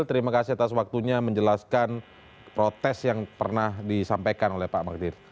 terima kasih atas waktunya menjelaskan protes yang pernah disampaikan oleh pak magdir